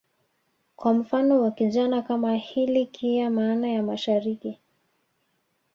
Kwa mfano wa jina kama hili Kiya maana ya Mashariki